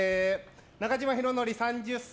中島宏典、３０歳。